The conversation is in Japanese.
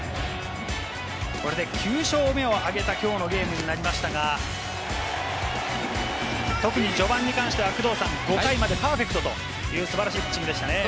これで９勝目を挙げた今日のゲームになりましたが、特に序盤に関しては５回までパーフェクトという素晴らしいピッチングでしたね。